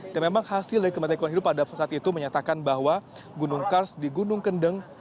memang hasil dari kementerian keuangan hidup pada saat itu menyatakan bahwa gunung kars di gunung kendeng